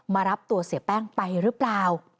มารับตัวเสียแป้งไปหรือเปล่า